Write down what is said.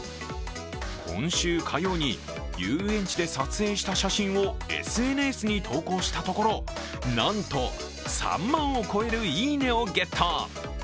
今週火曜に遊園地で撮影した写真をＳＮＳに投稿したところなんと３万を超えるいいねをゲット。